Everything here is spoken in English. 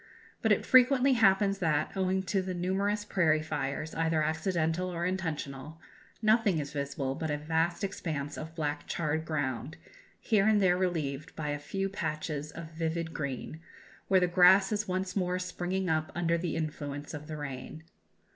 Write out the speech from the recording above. But it frequently happens that, owing to the numerous prairie fires, either accidental or intentional, nothing is visible but a vast expanse of black charred ground, here and there relieved by a few patches of vivid green, where the grass is once more springing up under the influence of the rain.